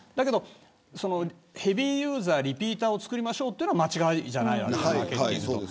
ヘビーユーザー、リピーターを作りましょうというのは間違いではないわけです。